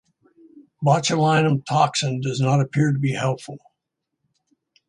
Botulinum toxin does not appear to be helpful.